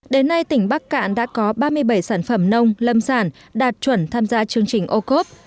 đến nay tỉnh bắc cạn đã có ba mươi bảy sản phẩm nông lâm sản đạt chuẩn tham gia chương trình ô cốp